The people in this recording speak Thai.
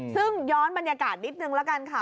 ซึ่งย้อนบรรยากาศนิดนึงละกันค่ะ